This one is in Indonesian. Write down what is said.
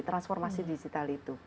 transformasi digital itu